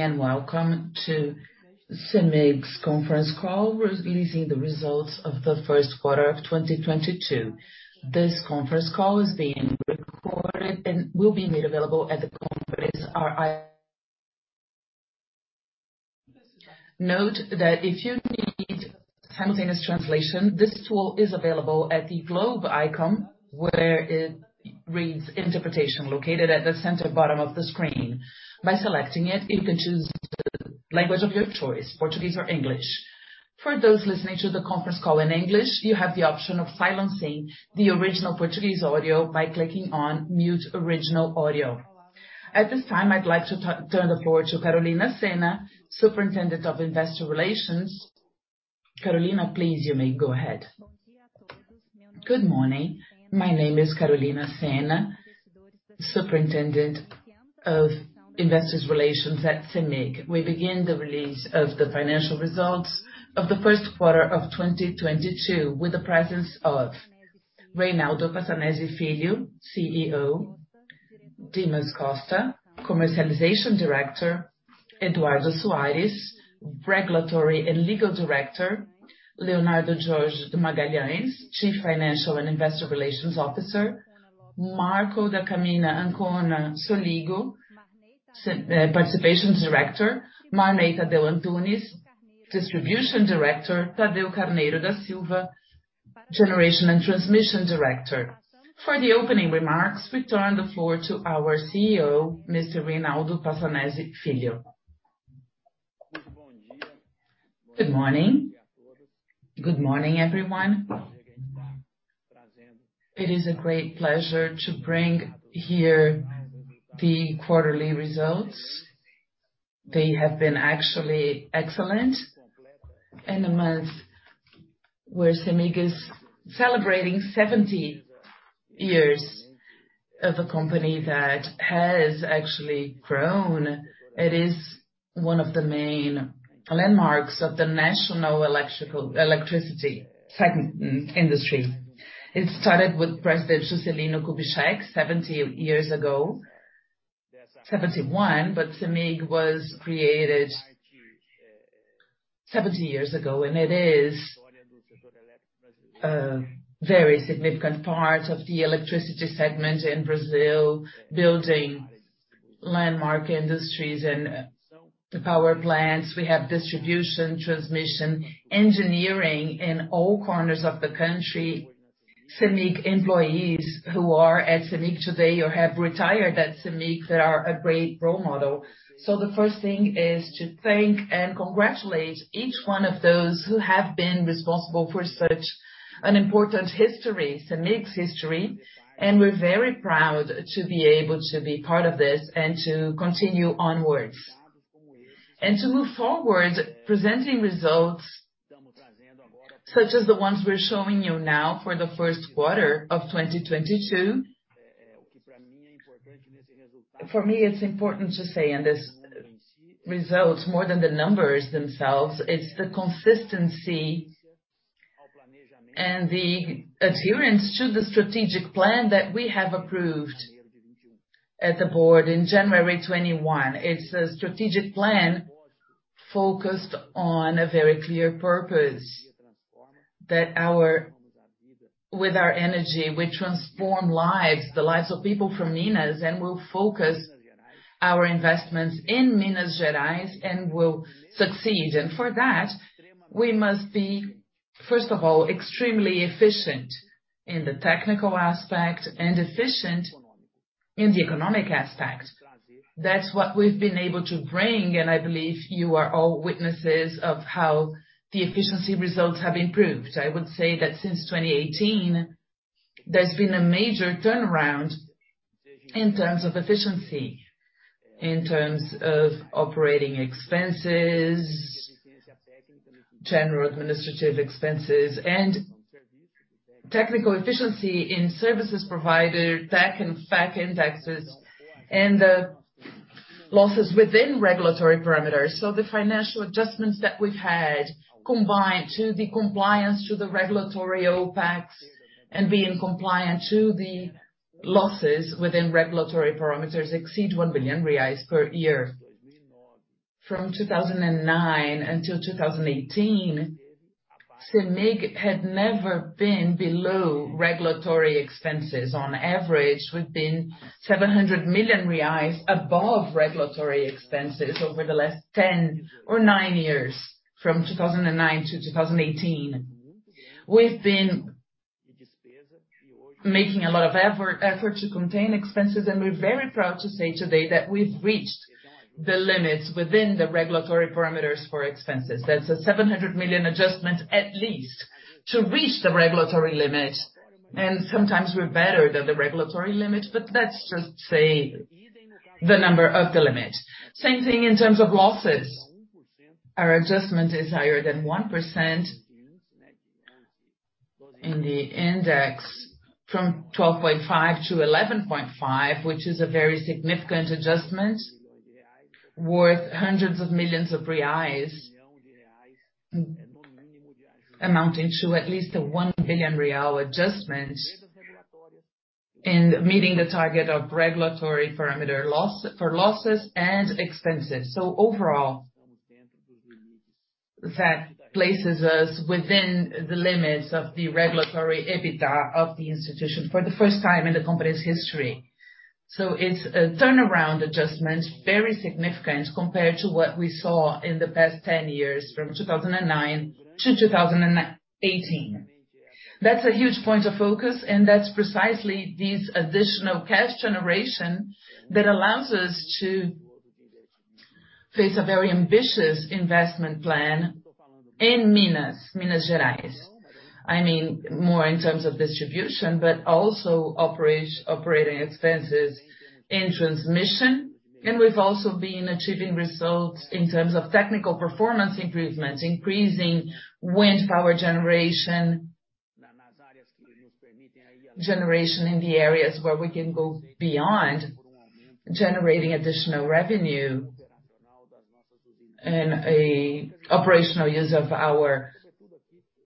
Morning, Welcome to CEMIG's Conference Call. We're releasing the results of the first quarter of 2022. This conference call is being recorded and will be made available at the conference. Note that if you need simultaneous translation, this tool is available at the globe icon where it reads interpretation, located at the center bottom of the screen. By selecting it, you can choose the language of your choice, Portuguese or English. For those listening to the conference call in English, you have the option of silencing the original Portuguese audio by clicking on mute original audio. At this time, I'd like to turn the floor to Carolina Senna, Superintendent of Investor Relations. Carolina, please, you may go ahead. Good morning. My name is Carolina Senna, Superintendent of Investor Relations at CEMIG. We begin the release of the financial results of the first quarter of 2022, with the presence of Reynaldo Passanezi Filho, CEO. Dimas Costa, Commercialization Director. Eduardo Soares, Regulatory and Legal Director. Leonardo George de Magalhães, Chief Financial and Investor Relations Officer. Marco da Camino Ancona Lopez Soligo, Participations Director. Marney Tadeu Antunes, Distribution Director. Thadeu Carneiro da Silva, Generation and Transmission Director. For the opening remarks, we turn the floor to our CEO, Mr. Reynaldo Passanezi Filho. Good morning. Good morning, everyone. It is a great pleasure to bring here the quarterly results. They have been actually excellent. In a month where CEMIG is celebrating 70 years of a company that has actually grown. It is one of the main landmarks of the national Electricity segment in industry. It started with President Juscelino Kubitschek 70 years ago. 71. CEMIG was created 70 years ago, and it is a very significant part of the Electricity segment in Brazil, building landmark industries and the power plants. We have Distribution, Transmission, Engineering in all corners of the country. CEMIG employees who are at CEMIG today or have retired at CEMIG, they are a great role model. The first thing is to thank and congratulate each one of those who have been responsible for such an important history, CEMIG's history. We're very proud to be able to be part of this and to continue onwards. To move forward presenting results such as the ones we're showing you now for the first quarter of 2022. For me, it's important to say in these results, more than the numbers themselves, it's the consistency and the adherence to the strategic plan that we have approved at the board in January 2021. It's a strategic plan focused on a very clear purpose. With our energy, we transform lives, the lives of people from Minas, and we'll focus our investments in Minas Gerais, and we'll succeed. For that, we must be, first of all, extremely efficient in the technical aspect and efficient in the economic aspect. That's what we've been able to bring, and I believe you are all witnesses of how the efficiency results have improved. I would say that since 2018, there's been a major turnaround in terms of efficiency, in terms of operating expenses, general administrative expenses, and technical efficiency in services provided, DEC and FEC indexes, and losses within regulatory parameters. The financial adjustments that we've had combined to the compliance to the regulatory OpEx and being compliant to the losses within regulatory parameters exceed 1 billion reais per year. From 2009 until 2018, CEMIG had never been below regulatory expenses. On average, we've been 700 million reais above regulatory expenses over the last 10 or nine years, from 2009-2018. We've been making a lot of effort to contain expenses, and we're very proud to say today that we've reached the limits within the regulatory parameters for expenses. That's a 700 million adjustment at least to reach the regulatory limit. Sometimes we're better than the regulatory limit, but let's just say the number of the limit. Same thing in terms of losses. Our adjustment is higher than 1% in the index from 12.5% to 11.5%, which is a very significant adjustment worth 100s of millions of BRL, amounting to at least a 1 billion real adjustment. Meeting the target of regulatory parameter loss, for losses and expenses. Overall, that places us within the limits of the regulatory EBITDA of the institution for the first time in the company's history. It's a turnaround adjustment, very significant compared to what we saw in the past 10 years, from 2009-2018. That's a huge point of focus, and that's precisely this additional cash generation that allows us to face a very ambitious investment plan in Minas Gerais. I mean more in terms of distribution, but also operating expenses in transmission. We've also been achieving results in terms of technical performance improvements, increasing wind power generation. Generation in the areas where we can go beyond generating additional revenue and an operational use of our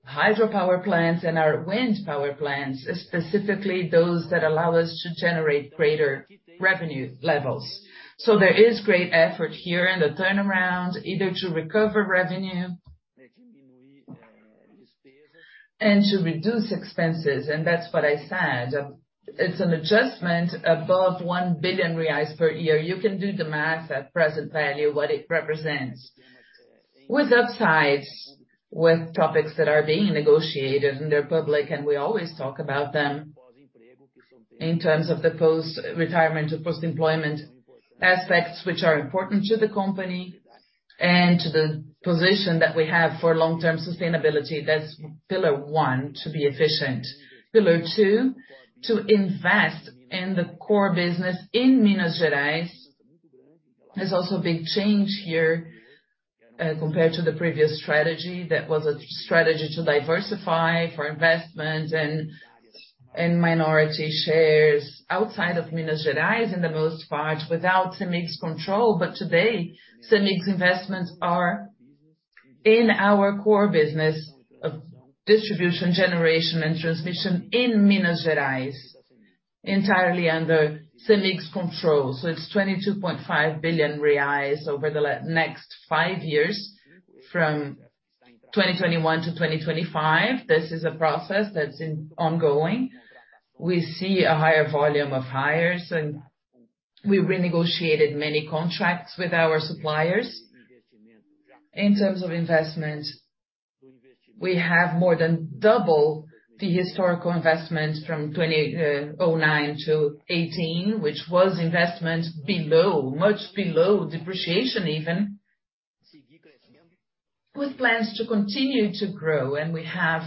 hydropower plants and our wind power plants, specifically those that allow us to generate greater revenue levels. There is great effort here in the turnaround either to recover revenue and to reduce expenses. That's what I said. It's an adjustment above 1 billion reais per year. You can do the math at present value, what it represents. With upsides, with topics that are being negotiated, and they're public, and we always talk about them in terms of the post-retirement or post-employment aspects which are important to the company and to the position that we have for long-term sustainability. That's pillar one, to be efficient. Pillar two, to invest in the core business in Minas Gerais. There's also a big change here, compared to the previous strategy. That was a strategy to diversify for investment and minority shares outside of Minas Gerais, for the most part, without CEMIG's control. Today, CEMIG's investments are in our core business of distribution, generation, and transmission in Minas Gerais, entirely under CEMIG's control. It's 22.5 billion reais over the next five years, from 2021-2025. This is a process that's ongoing. We see a higher volume of hires, and we renegotiated many contracts with our suppliers. In terms of investment, we have more than double the historical investment from 2009-2018, which was investment much below depreciation even. With plans to continue to grow, we have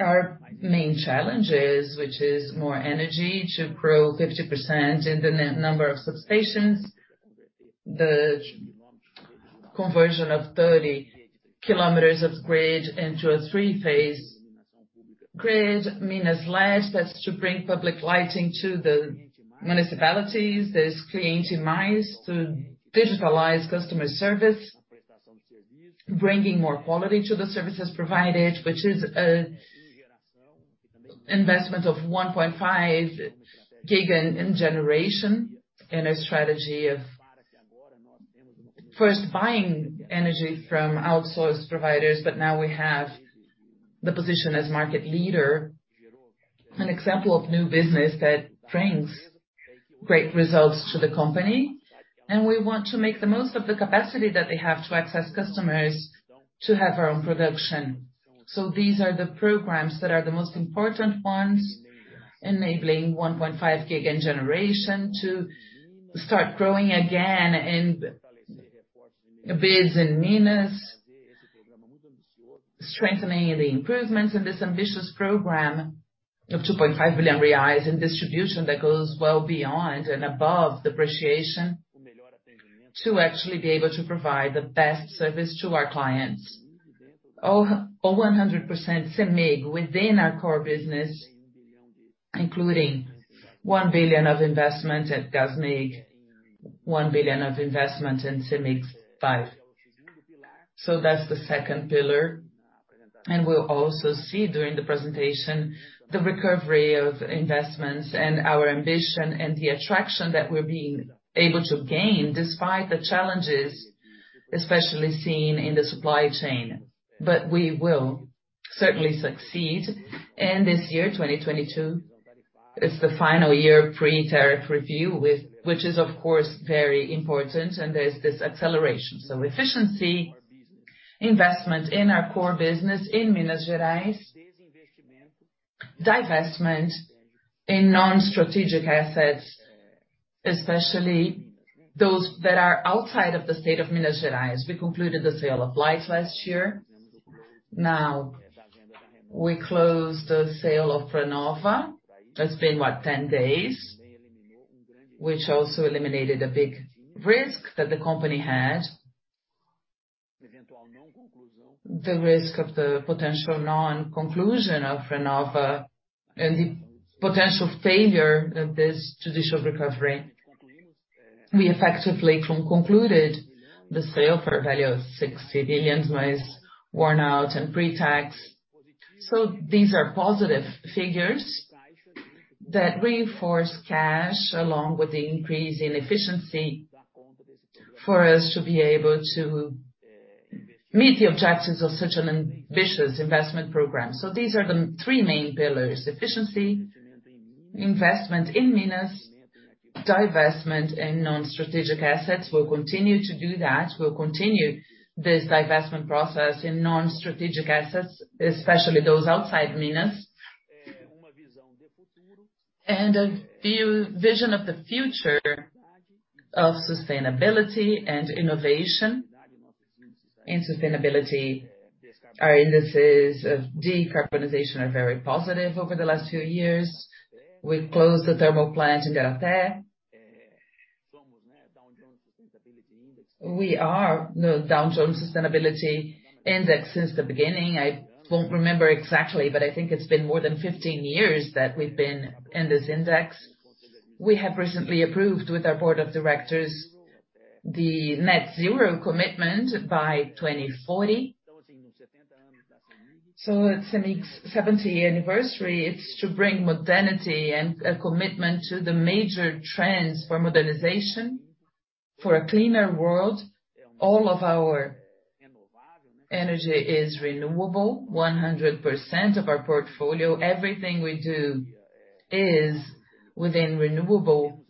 our main challenges, which is more energy to grow 50% in the number of substations, the conversion of 30 km of grid into a three-phase grid. Minas LED, that's to bring public lighting to the municipalities. There's Cliente Mais to digitalize customer service, bringing more quality to the services provided, which is a investment of 1.5 GW in generation. A strategy of first buying energy from outsourced providers, but now we have the position as market leader. An example of new business that brings great results to the company, and we want to make the most of the capacity that they have to access customers to have our own production. These are the programs that are the most important ones, enabling 1.5 GW in generation to start growing again in the biz in Minas, strengthening the improvements in this ambitious program of 2.5 billion reais in distribution that goes well beyond and above depreciation to actually be able to provide the best service to our clients. All 100% CEMIG within our core business, including 1 billion of investment at Gasmig, 1 billion of investment in CEMIG SIM. That's the second pillar. We'll also see during the presentation the recovery of investments and our ambition and the attraction that we're being able to gain despite the challenges, especially seen in the supply chain. We will certainly succeed. This year, 2022, it's the final year pre-tariff review with which is of course very important, and there's this acceleration. Efficiency, investment in our core business in Minas Gerais, divestment in non-strategic assets, especially those that are outside of the state of Minas Gerais. We concluded the sale of Light last year. Now we closed the sale of Renova. It's been, what, 10 days? Which also eliminated a big risk that the company had. The risk of the potential non-conclusion of Renova and the potential failure of this judicial recovery. We effectively concluded the sale for a value of 60 billion minus worn out and pre-tax. These are positive figures that reinforce cash along with the increase in efficiency for us to be able to meet the objectives of such an ambitious investment program. These are the three main pillars, efficiency, investment in Minas, divestment in non-strategic assets. We'll continue to do that. We'll continue this divestment process in non-strategic assets, especially those outside Minas. A vision of the future of sustainability and innovation. In sustainability, our indices of decarbonization are very positive over the last few years. We've closed the thermal plant in Garanhuns. We are in the Dow Jones Sustainability Index since the beginning. I don't remember exactly, but I think it's been more than 15 years that we've been in this index. We have recently approved with our Board of Directors the net-zero commitment by 2040. At CEMIG's 70th Anniversary, it's to bring modernity and a commitment to the major trends for modernization. For a cleaner world, all of our energy is renewable, 100% of our portfolio. Everything we do is within renewable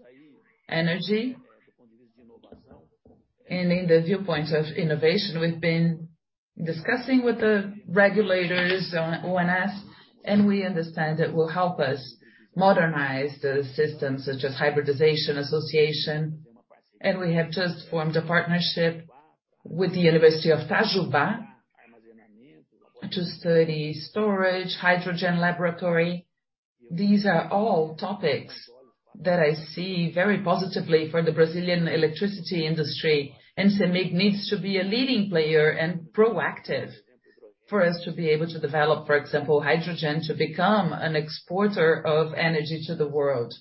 energy. In the viewpoint of innovation, we've been discussing with the regulators at ONS, and we understand it will help us modernize the system, such as hybridization association. We have just formed a partnership with the Universidade Federal de Juiz de Fora to study storage, hydrogen laboratory. These are all topics that I see very positively for the Brazilian Electricity industry. CEMIG needs to be a leading player and proactive for us to be able to develop, for example, hydrogen, to become an exporter of energy to the world.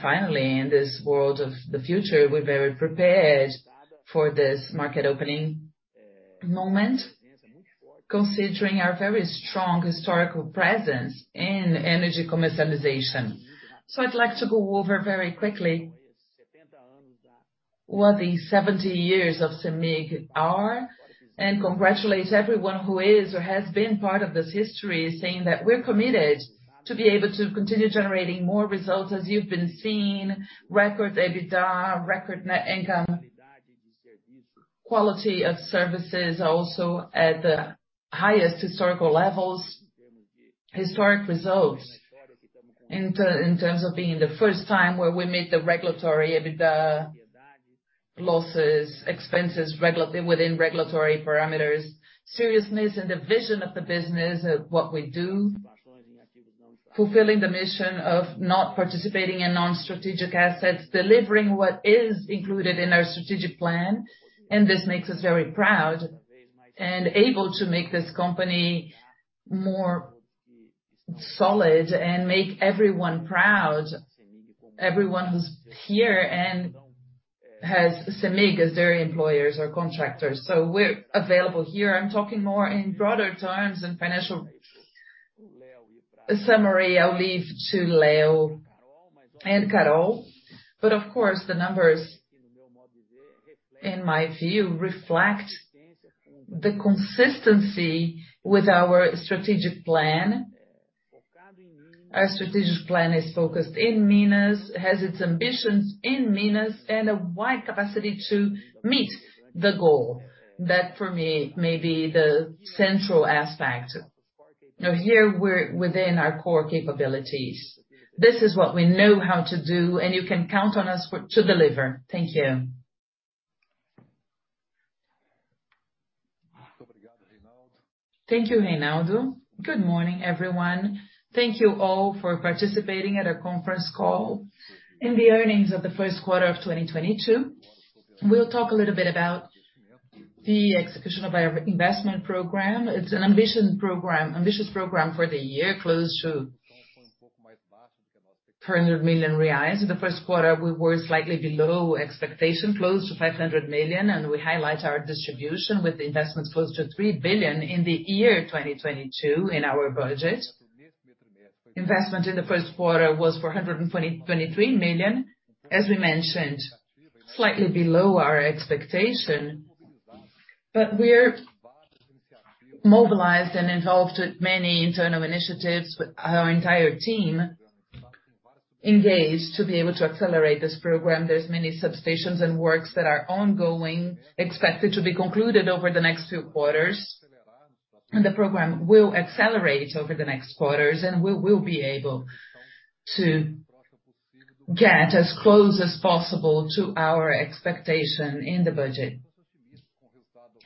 Finally, in this world of the future, we're very prepared for this market opening moment, considering our very strong historical presence in energy Commercialization. I'd like to go over very quickly what the 70 years of CEMIG are, and congratulate everyone who is or has been part of this history, saying that we're committed to be able to continue generating more results. As you've been seeing, record EBITDA, record net income. Quality of services also at the highest historical levels. Historic results in terms of being the first time where we made the regulatory EBITDA losses, expenses within regulatory parameters. Seriousness in the vision of the business of what we do, fulfilling the mission of not participating in non-strategic assets, delivering what is included in our strategic plan. This makes us very proud and able to make this company more solid and make everyone proud, everyone who's here and has CEMIG as their employers or contractors. We're available here. I'm talking more in broader terms and financial summary I'll leave to Leo and Carol. Of course, the numbers, in my view, reflect the consistency with our strategic plan. Our strategic plan is focused in Minas, has its ambitions in Minas, and a wide capacity to meet the goal. That, for me, may be the central aspect. Now, here we're within our core capabilities. This is what we know how to do, and you can count on us to deliver. Thank you. Thank you, Reynaldo. Good morning, everyone. Thank you all for participating at our conference call on the earnings of the first quarter of 2022. We'll talk a little bit about the execution of our investment program. It's an ambitious program for the year, close to 300 million reais. In the first quarter, we were slightly below expectation, close to 500 million, and we highlight our distribution with investments close to 3 billion in the year 2022 in our budget. Investment in the first quarter was 423 million. As we mentioned, slightly below our expectation. We're mobilized and involved with many internal initiatives with our entire team engaged to be able to accelerate this program. There's many substations and works that are ongoing, expected to be concluded over the next two quarters. The program will accelerate over the next quarters, and we will be able to get as close as possible to our expectation in the budget.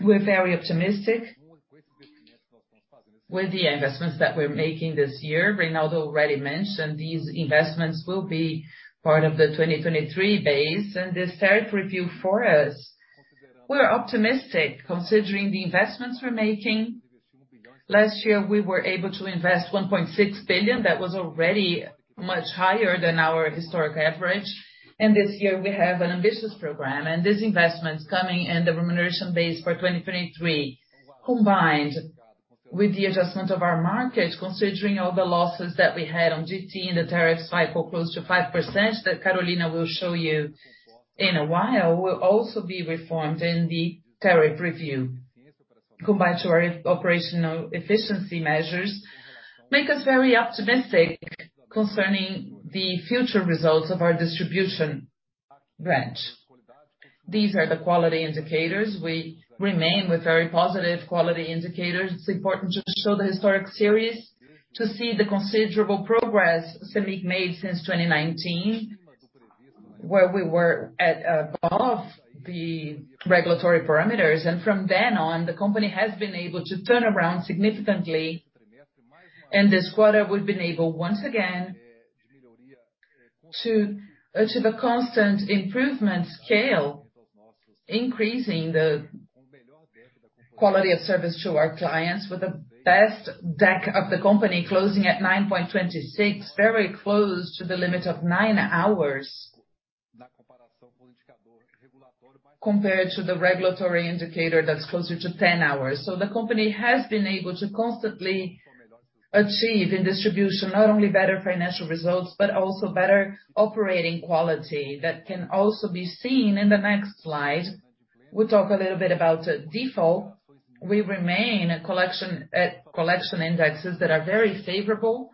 We're very optimistic with the investments that we're making this year. Reynaldo already mentioned these investments will be part of the 2023 base. This tariff review for us, we're optimistic considering the investments we're making. Last year, we were able to invest 1.6 billion. That was already much higher than our historic average. This year we have an ambitious program. These investments coming in the remuneration base for 2023, combined with the adjustment of our market, considering all the losses that we had on GT in the tariff cycle, close to 5%, that Carolina will show you in a while, will also be reformed in the tariff review. Combined to our operational efficiency measures, make us very optimistic concerning the future results of our distribution branch. These are the quality indicators. We remain with very positive quality indicators. It's important to show the historical series to see the considerable progress CEMIG made since 2019, where we were at above the regulatory parameters. From then on, the company has been able to turn around significantly. This quarter, we've been able, once again, to achieve a constant improvement scale, increasing the quality of service to our clients with the best DEC of the company, closing at 9.26, very close to the limit of nine hours compared to the regulatory indicator that's closer to 10 hours. The company has been able to constantly achieve in distribution not only better financial results, but also better operating quality that can also be seen in the next slide. We'll talk a little bit about default. We remain at collection, at collection indexes that are very favorable,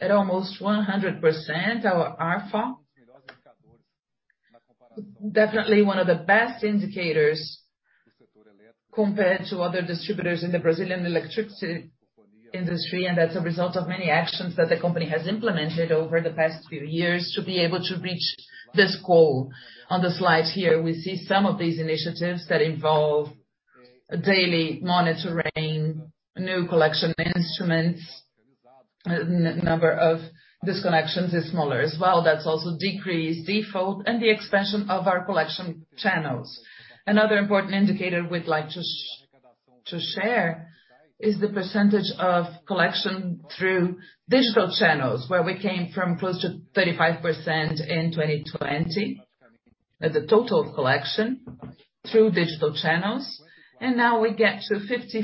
at almost 100% our AR. Definitely one of the best indicators compared to other distributors in the Brazilian Electricity industry. As a result of many actions that the company has implemented over the past few years to be able to reach this goal. On the slide here, we see some of these initiatives that involve daily monitoring, new collection instruments. Number of disconnections is smaller as well. That's also decreased default and the expansion of our collection channels. Another important indicator we'd like to share is the % of collection through digital channels, where we came from close to 35% in 2020 as a total collection through digital channels, and now we get to 54%,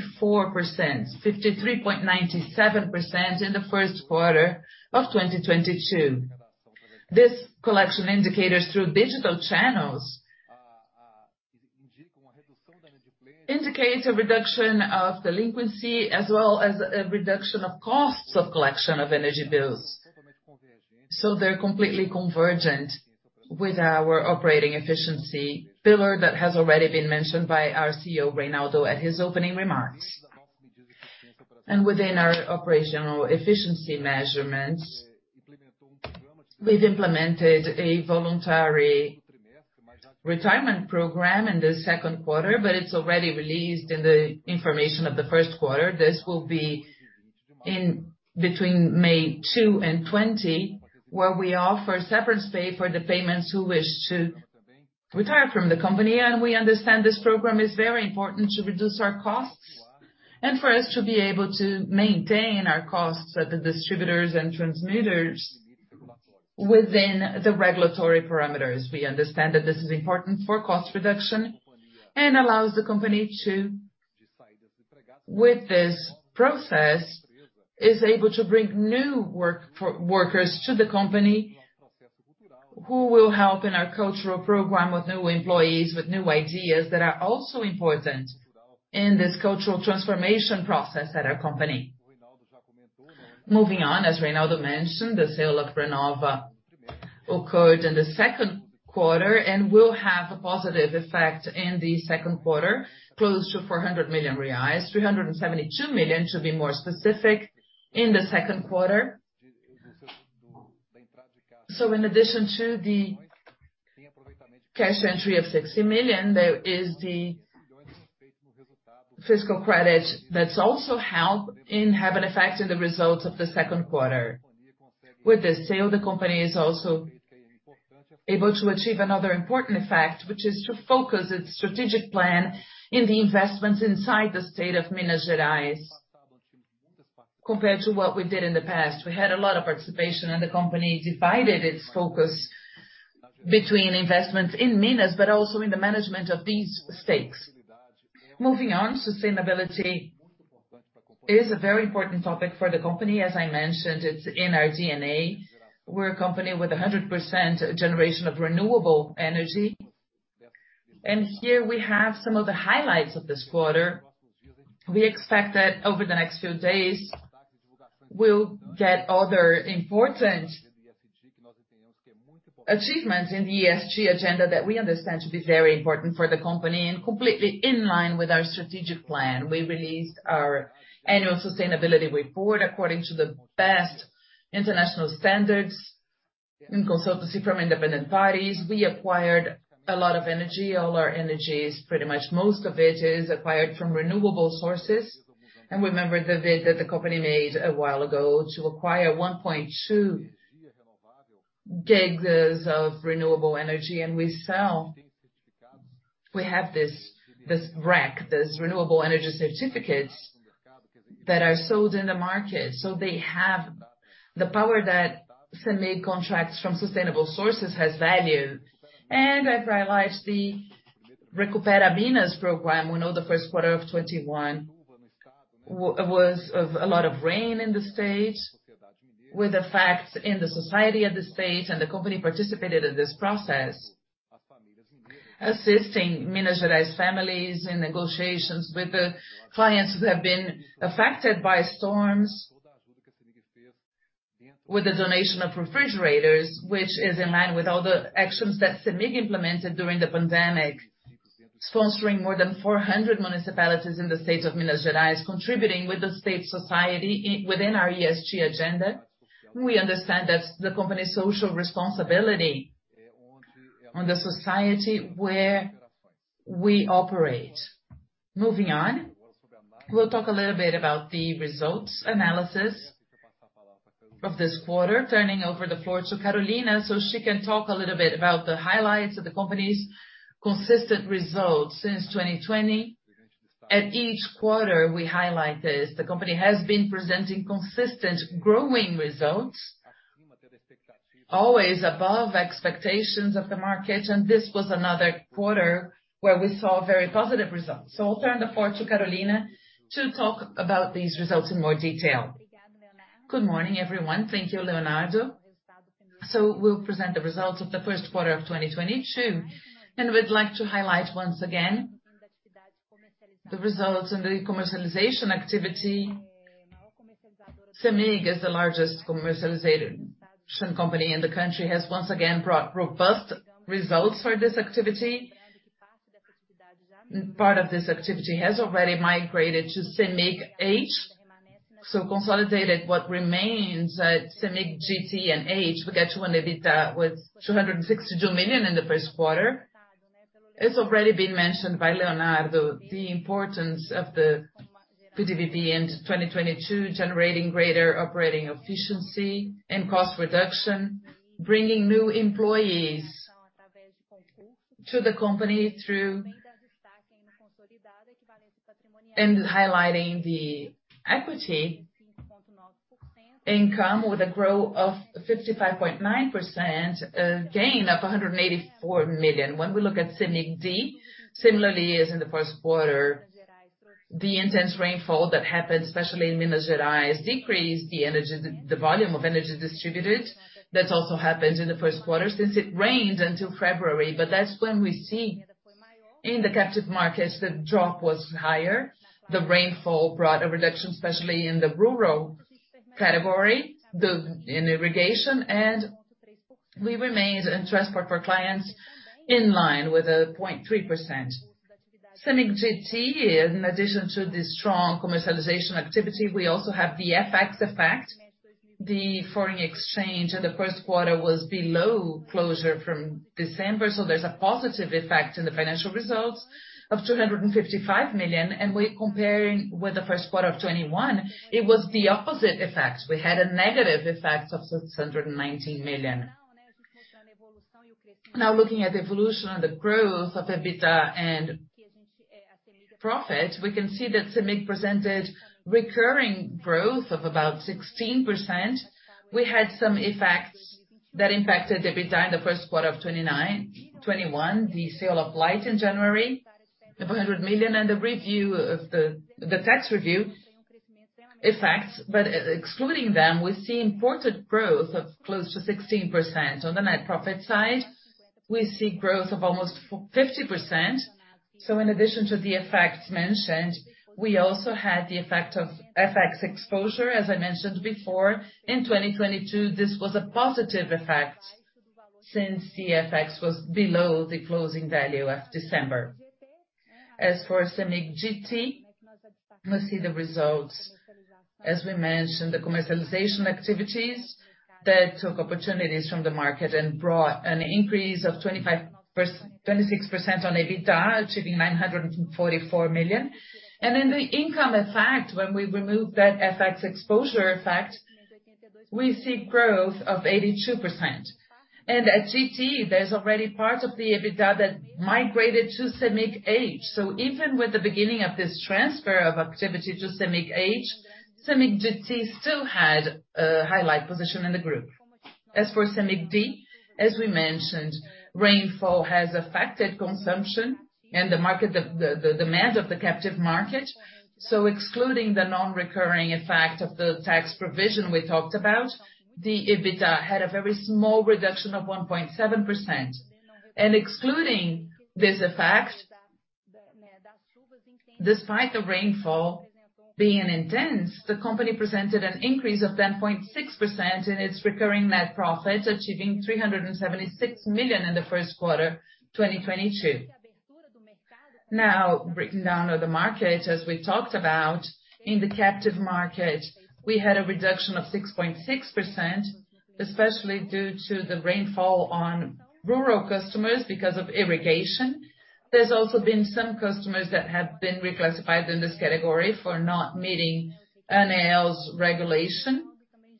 53.97% in the first quarter of 2022. This collection indicators through digital channels indicates a reduction of delinquency as well as a reduction of costs of collection of energy bills. They're completely convergent with our Operating Efficiency pillar that has already been mentioned by our CEO, Reynaldo, at his opening remarks. Within our operational efficiency measurements, we've implemented a voluntary retirement program in the second quarter, but it's already released in the information of the first quarter. This will be in between May 2 and 20, where we offer severance pay for the employees who wish to retire from the company. We understand this program is very important to reduce our costs and for us to be able to maintain our costs at the distributors and transmitters within the regulatory parameters. We understand that this is important for cost reduction and allows the company, with this process, is able to bring new workers to the company who will help in our cultural program with new employees, with new ideas that are also important in this cultural transformation process at our company. Moving on, as Reynaldo mentioned, the sale of Renova occurred in the second quarter and will have a positive effect in the second quarter, close to 400 million reais, 372 million to be more specific, in the second quarter. In addition to the cash entry of 60 million, there is the fiscal credit that's also helpful and have an effect in the results of the second quarter. With this sale, the company is also able to achieve another important effect, which is to focus its strategic plan in the investments inside the state of Minas Gerais compared to what we did in the past. We had a lot of participation, and the company divided its focus between investments in Minas, but also in the management of these stakes. Moving on, sustainability is a very important topic for the company. As I mentioned, it's in our DNA. We're a company with 100% generation of renewable energy. Here we have some of the highlights of this quarter. We expect that over the next few days we'll get other important achievements in the ESG agenda that we understand to be very important for the company and completely in line with our strategic plan. We released our Annual Sustainability Report according to the best international standards in consultancy from independent bodies. We acquired a lot of energy. All our energy is pretty much, most of it is acquired from renewable sources. Remember the bid that the company made a while ago to acquire 1.2 GW of renewable energy and we sell. We have this REC, Renewable Energy Certificates that are sold in the market. They have the power that CEMIG contracts from sustainable sources has value. I've realized the Recupera Minas program, we know the first quarter of 2021 was a lot of rain in the state, with effects in the society of the state, and the company participated in this process, assisting Minas Gerais families in negotiations with the clients who have been affected by storms with the donation of refrigerators, which is in line with all the actions that CEMIG implemented during the pandemic, sponsoring more than 400 municipalities in the state of Minas Gerais, contributing with the state society within our ESG agenda. We understand that's the company's social responsibility on the society where we operate. Moving on, we'll talk a little bit about the results analysis of this quarter, turning over the floor to Carolina so she can talk a little bit about the highlights of the company's consistent results since 2020. At each quarter, we highlight this. The company has been presenting consistent growing results, always above expectations of the market. This was another quarter where we saw very positive results. I'll turn the floor to Carolina to talk about these results in more detail. Good morning, everyone. Thank you, Leonardo. We'll present the results of the first quarter of 2022. We'd like to highlight once again the results in the Commercialization activity. CEMIG is the largest Commercialization company in the country, has once again brought robust results for this activity. Part of this activity has already migrated to CEMIG H. Consolidated what remains at CEMIG GT and H, we get to an EBITDA with 262 million in the first quarter. It's already been mentioned by Leonardo, the importance of the PDV in 2022 generating greater Operating Efficiency and cost reduction, bringing new employees to the company through. Highlighting the equity income with a growth of 55.9%, a gain of 184 million. When we look at CEMIG D, similarly as in the first quarter, the intense rainfall that happened, especially in Minas Gerais, decreased the volume of energy distributed. That also happens in the first quarter since it rained until February. That's when we see in the captive markets, the drop was higher. The rainfall brought a reduction, especially in the rural category, in irrigation, and we remained in transport for clients in line with 0.3%. CEMIG GT, in addition to the strong Commercialization activity, we also have the FX effect. The foreign exchange in the first quarter was below closing from December. There's a positive effect in the financial results of 255 million. We're comparing with the first quarter of 2021, it was the opposite effect. We had a negative effect of 619 million. Now looking at evolution and the growth of EBITDA and profit, we can see that CEMIG presented recurring growth of about 16%. We had some effects that impacted EBITDA in the first quarter of 2021, the sale of Light in January, the 400 million, and the review of the tax review effects. Excluding them, we see important growth of close to 16%. On the net profit side, we see growth of almost 50%. In addition to the effects mentioned, we also had the effect of FX exposure, as I mentioned before. In 2022, this was a positive effect since the FX was below the closing value of December. As for CEMIG GT, we see the results. As we mentioned, the Commercialization activities that took opportunities from the market and brought an increase of 26% on EBITDA, achieving 944 million. In the income effect, when we remove that FX exposure effect, we see growth of 82%. At GT, there's already part of the EBITDA that migrated to CEMIG H. Even with the beginning of this transfer of activity to CEMIG H, CEMIG GT still had a highlight position in the group. As for CEMIG D, as we mentioned, rainfall has affected consumption and the market, the demand of the captive market. Excluding the non-recurring effect of the tax provision we talked about, the EBITDA had a very small reduction of 1.7%. Excluding this effect, despite the rainfall being intense, the company presented an increase of 10.6% in its recurring net profit, achieving 376 million in the first quarter 2022. Now, breaking down on the market, as we talked about, in the captive market, we had a reduction of 6.6%, especially due to the rainfall on rural customers because of irrigation. There's also been some customers that have been reclassified in this category for not meeting ANEEL's regulation.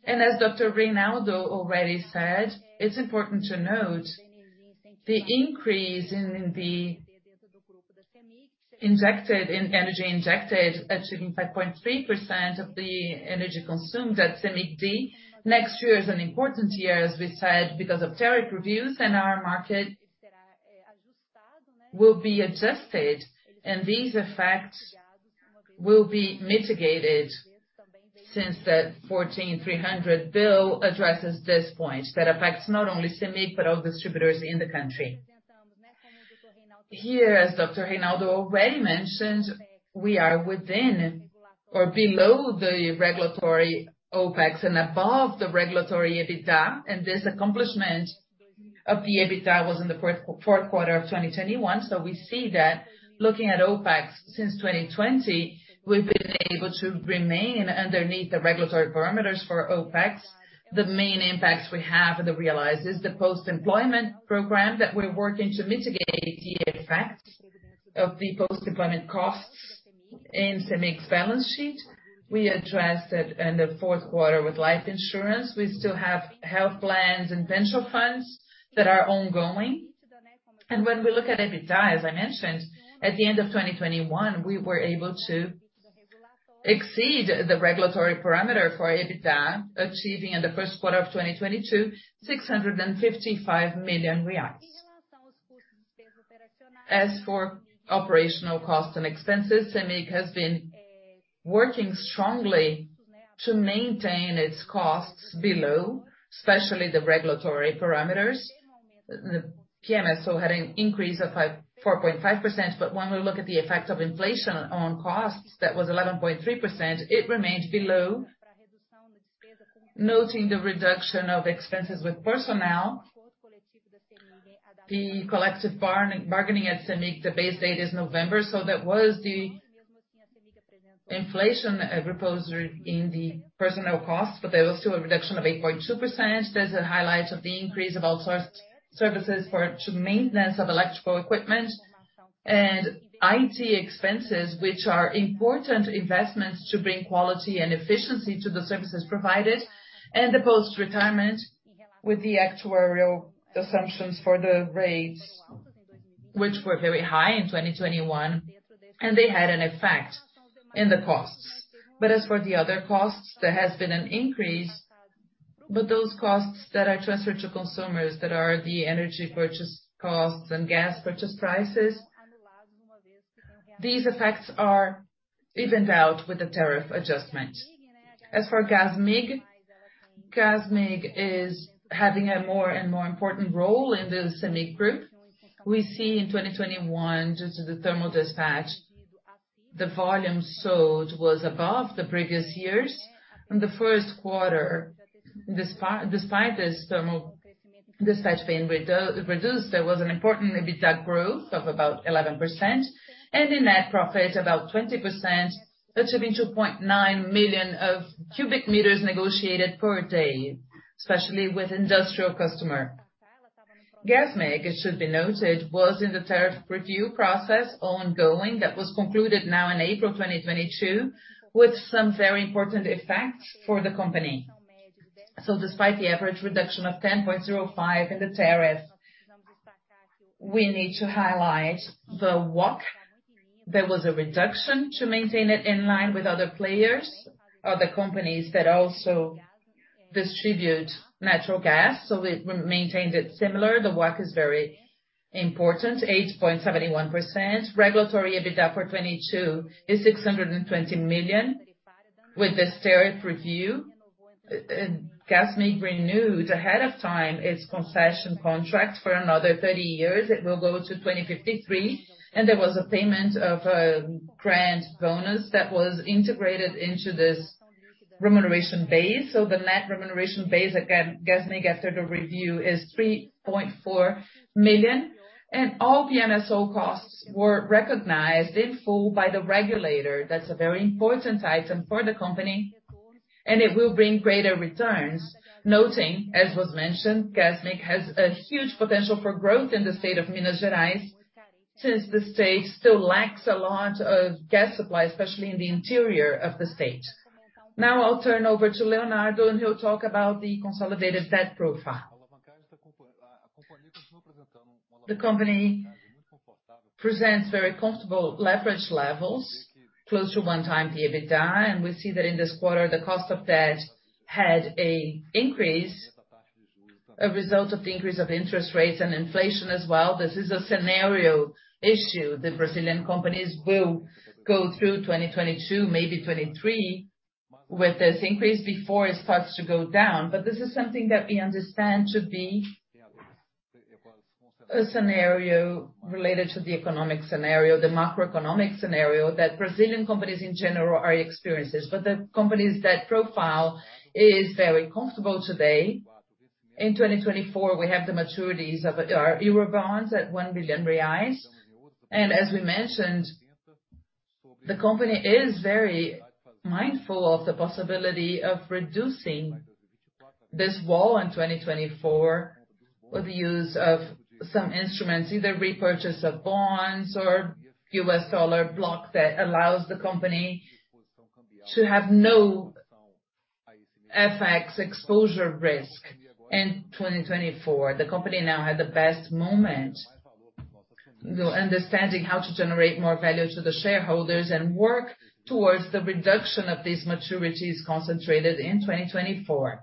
as Dr. Reynaldo already said, it's important to note the increase in energy injected achieving 5.3% of the energy consumed at CEMIG D. Next year is an important year, as we said, because of tariff reviews and our market will be adjusted, and these effects will be mitigated since that Lei 14.300 bill addresses this point that affects not only CEMIG, but all distributors in the country. Here, as Dr. Reynaldo already mentioned, we are within or below the regulatory OpEx and above the regulatory EBITDA, and this accomplishment of the EBITDA was in the fourth quarter of 2021. We see that looking at OpEx since 2020, we've been able to remain underneath the regulatory parameters for OpEx. The main impacts we have and realize is the post-employment program that we're working to mitigate the effect of the post-employment costs in CEMIG's balance sheet. We addressed that in the fourth quarter with life insurance. We still have health plans and pension funds that are ongoing. When we look at EBITDA, as I mentioned, at the end of 2021, we were able to exceed the regulatory parameter for EBITDA, achieving in the first quarter of 2022, 655 million reais. As for operational costs and expenses, CEMIG has been working strongly to maintain its costs below, especially the regulatory parameters. The PMSO had an increase of 4.5%, but when we look at the effect of inflation on costs, that was 11.3%, it remained below. Noting the reduction of expenses with personnel, the collective bargaining at CEMIG, the base date is November. That was the inflation imposed in the personnel costs, but there was still a reduction of 8.2%. There's a highlight of the increase of outsourced services to maintenance of electrical equipment. IT expenses, which are important investments to bring quality and efficiency to the services provided. The post-retirement with the actuarial assumptions for the rates, which were very high in 2021, and they had an effect in the costs. As for the other costs, there has been an increase. Those costs that are transferred to consumers, that are the energy purchase costs and gas purchase prices, these effects are evened out with the tariff adjustment. As for Gasmig is having a more and more important role in the CEMIG group. We see in 2021, due to the thermal dispatch, the volume sold was above the previous years. In the first quarter, despite this thermal dispatch being reduced, there was an important EBITDA growth of about 11%. In net profit, about 20%, achieving 2.9 million cubic meters negotiated per day, especially with industrial customer. Gasmig, it should be noted, was in the tariff review process ongoing that was concluded now in April 2022, with some very important effects for the company. Despite the average reduction of 10.05% in the tariff, we need to highlight the WACC. There was a reduction to maintain it in line with other players, other companies that also distribute natural gas. We maintained it similar. The WACC is very important, 8.71%. Regulatory EBITDA for 2022 is 620 million. With this tariff review, Gasmig renewed ahead of time its concession contract for another 30 years. It will go to 2053, and there was a payment of grant bonus that was integrated into this remuneration base. The Net Remuneration Base at Gasmig after the review is 3.4 million. All PMSO costs were recognized in full by the regulator. That's a very important item for the company, and it will bring greater returns. Noting, as was mentioned, Gasmig has a huge potential for growth in the state of Minas Gerais, since the state still lacks a lot of gas supply, especially in the interior of the state. Now I'll turn over to Leonardo, and he'll talk about the consolidated debt profile. The company presents very comfortable leverage levels, close to 1x the EBITDA. We see that in this quarter, the cost of debt had an increase, a result of the increase of interest rates and inflation as well. This is a scenario issue that Brazilian companies will go through 2022, maybe 2023, with this increase before it starts to go down. This is something that we understand to be a scenario related to the economic scenario, the macroeconomic scenario that Brazilian companies in general are experiencing. The company's debt profile is very comfortable today. In 2024, we have the maturities of our Eurobonds at 1 billion reais. As we mentioned, the company is very mindful of the possibility of reducing this wall in 2024 with the use of some instruments, either repurchase of bonds or U.S. dollar block that allows the company to have no FX exposure risk in 2024. The company now had the best moment, understanding how to generate more value to the shareholders and work towards the reduction of these maturities concentrated in 2024.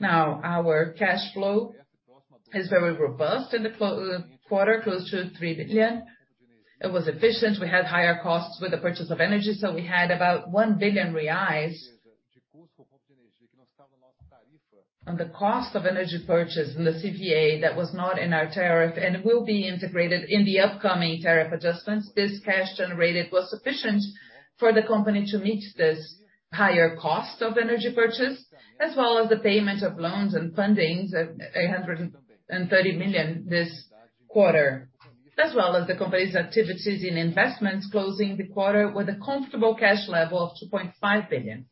Now, our cash flow is very robust in the quarter, close to 3 billion. It was efficient. We had higher costs with the purchase of energy, so we had about 1 billion reais on the cost of energy purchase in the CVA that was not in our tariff and will be integrated in the upcoming tariff adjustments. This cash generated was sufficient for the company to meet this higher cost of energy purchase, as well as the payment of loans and fundings at 830 million this quarter. As well as the company's activities in investments closing the quarter with a comfortable cash level of 2.5 billion.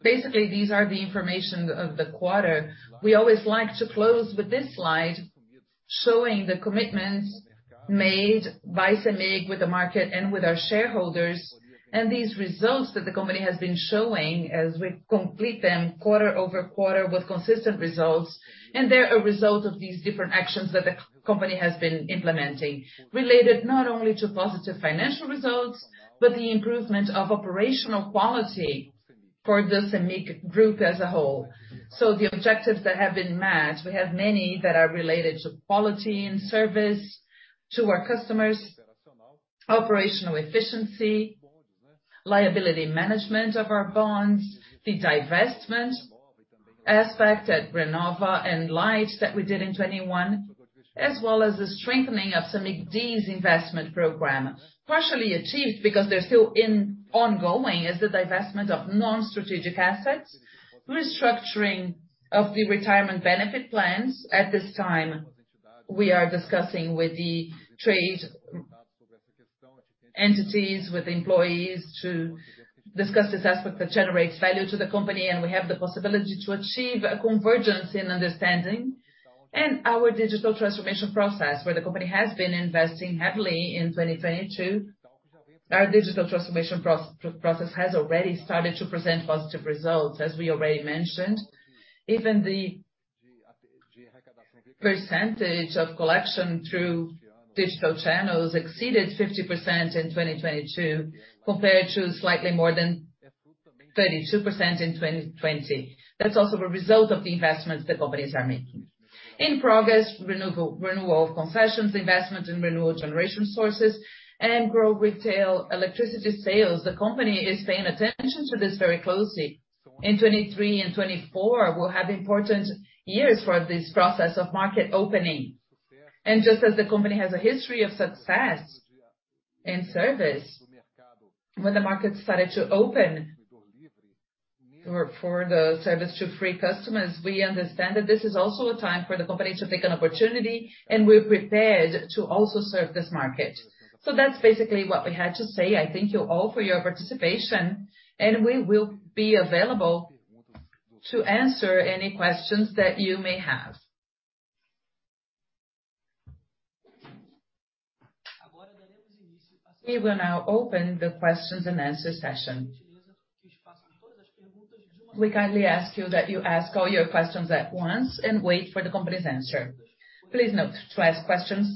Basically, these are the information of the quarter. We always like to close with this slide, showing the commitments made by CEMIG with the market and with our shareholders, and these results that the company has been showing as we complete them quarter-over-quarter with consistent results. They're a result of these different actions that the company has been implementing, related not only to positive financial results, but the improvement of operational quality for the CEMIG group as a whole. The objectives that have been met, we have many that are related to quality and service to our customers, operational efficiency, liability management of our bonds, the divestment aspect at Renova and Light that we did in 2021, as well as the strengthening of CEMIG D's Investment program. Partially achieved because they're still ongoing is the divestment of non-strategic assets, restructuring of the retirement benefit plans. At this time, we are discussing with the trade entities, with employees to discuss this aspect that generates value to the company, and we have the possibility to achieve a convergence in understanding. Our digital transformation process, where the company has been investing heavily in 2022. Our digital transformation process has already started to present positive results, as we already mentioned. Even the % of collection through digital channels exceeded 50% in 2022 compared to slightly more than 32% in 2020. That's also a result of the investments the companies are making. In progress, renewal of concessions, investment in renewable generation sources, and grow retail electricity sales. The company is paying attention to this very closely. In 2023 and 2024, we'll have important years for this process of market opening. Just as the company has a history of success in service, when the market started to open for the service to free customers, we understand that this is also a time for the company to take an opportunity, and we're prepared to also serve this market. That's basically what we had to say. I thank you all for your participation, and we will be available to answer any questions that you may have. We will now open the questions and answer session. We kindly ask you that you ask all your questions at once and wait for the company's answer. Please note, to ask questions,